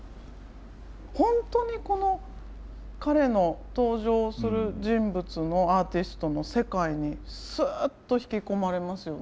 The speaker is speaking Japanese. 本当にこの彼の登場する人物のアーティストの世界にスッと引き込まれますよね。